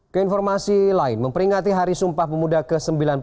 keinformasi lain memperingati hari sumpah pemuda ke sembilan puluh sembilan